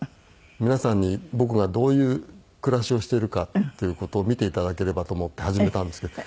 皆さんに僕がどういう暮らしをしているかっていう事を見て頂ければと思って始めたんですけど。